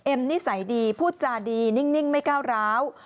นิสัยดีพูดจาดีนิ่งไม่ก้าวร้าว